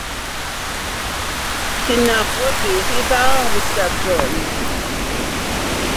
Ti'n nabod fi'n rhy dda Mistar Jones.